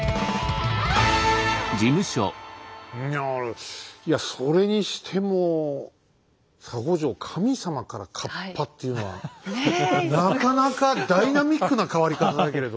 いやいやそれにしても沙悟淨神様から河童っていうのはなかなかダイナミックな変わり方だけれども。